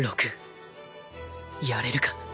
やれるか？